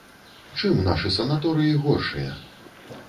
Чым нашы санаторыі горшыя?